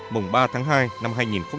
mùng ba tháng hai năm hai nghìn một mươi bảy